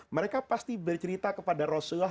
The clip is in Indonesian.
mereka pasti bercerita kepada rasulullah